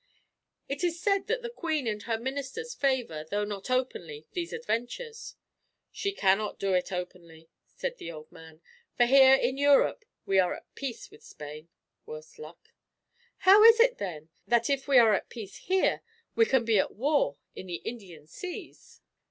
"It is said that the queen and her ministers favor, though not openly, these adventures." "She cannot do it openly," said the old man, "for here in Europe we are at peace with Spain worse luck." "How is it, then, that if we are at peace here, we can be at war in the Indian Seas?"